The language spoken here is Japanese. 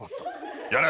やれ。